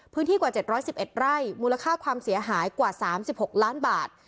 กว่า๗๑๑ไร่มูลค่าความเสียหายกว่า๓๖ล้านบาท